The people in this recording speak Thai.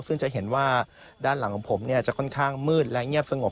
ซึ่งจะเห็นว่าด้านหลังของผมจะค่อนข้างมืดและเงียบสงบ